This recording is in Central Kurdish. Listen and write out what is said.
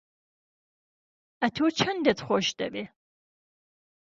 ئهتۆ چهندهت خۆش دهوێ